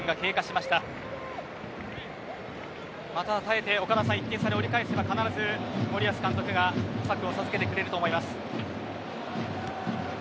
また耐えて岡田さん１点差で折り返せば必ず森保監督が策を授けてくれると思います。